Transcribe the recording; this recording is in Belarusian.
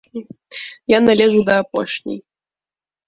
Я належу да апошняй.